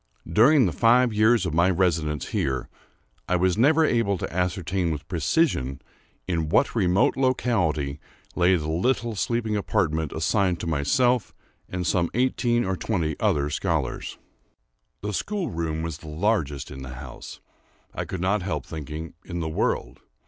During the five years of my residence here, I was never able to ascertain with precision, in what remote locality lay the little sleeping apartment assigned to myself and some eighteen or twenty other scholars. The school room was the largest in the house—I could not help thinking, in the world.